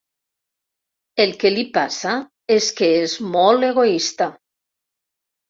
El que li passa és que és molt egoista.